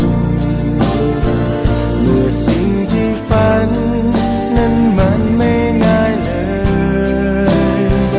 เหนื่อยสิ่งที่ฝันนั้นมันไม่ง่ายเลย